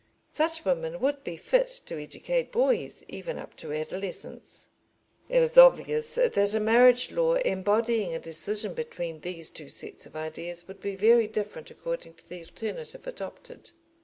Such women would be fit to educate boys even up to adolescence. It is obvious that a marriage law embodying a decision between these two sets of ideas would be very different according to the alternative adopted.